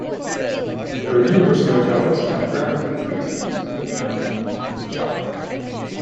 There are numerous motels, campgrounds, and retreat centres in and around Mattawa.